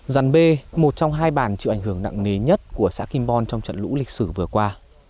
giàn bê một trong hai bản chịu ảnh hưởng nặng nề nhất của xã kim bon trong trận lũ lịch sử vừa qua